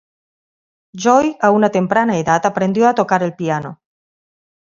Joy a una temprana edad aprendió a tocar el piano.